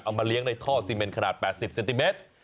มาเลี้ยงในท่อซีเมนขนาด๘๐เซนติเมตร